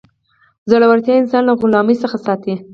زړورتیا انسان له غلامۍ څخه ساتي.